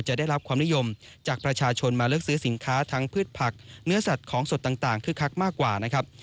ได้รับความนิยมจากประชาชนมาเลือกซื้อสินค้าทั้งพืชผักเนื้อสัตว์ของสดต่างคึกคักมากกว่านะครับ